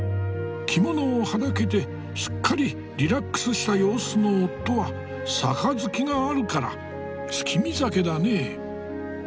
着物をはだけてすっかりリラックスした様子の夫は杯があるから月見酒だねえ。